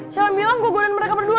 siapa bilang gue godain mereka berdua